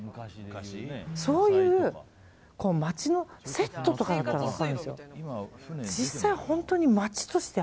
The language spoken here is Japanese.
そういう街のセットとかだったら分かるんですよ。